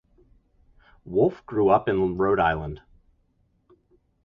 Wolf grew up in Rhode Island.